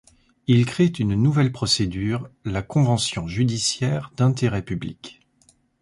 Ils créent une nouvelle procédure, la convention judiciaire d’intérêt public.